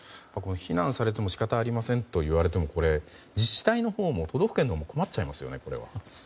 非難されても仕方ありませんと言われても自治体のほうも都道府県のほうも困っちゃいますよね、これ。